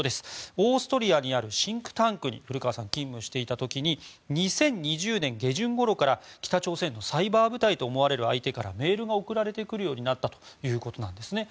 オーストリアにあるシンクタンクに古川さんが勤務していた時に２０２０年下旬ごろから北朝鮮のサイバー部隊と思われる相手からメールが送られてくるようになったということなんですね。